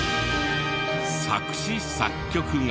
作詞作曲が。